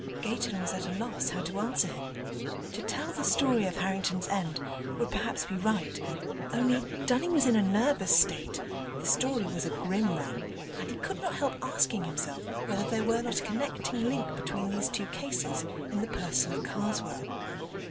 Gayton was at a loss how to answer him. To tell the story of Harrington's end would perhaps be right; only, Dunning was in a nervous state, the story was a grim one, and he could not help asking himself whether there were not a connecting link between these two cases, in the person of Karswell.